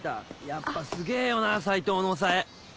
やっぱすげぇよな斎藤の抑え。